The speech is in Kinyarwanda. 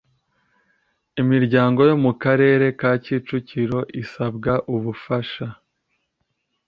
imiryango yo mu karere ka kicukiro isabwa ubufasha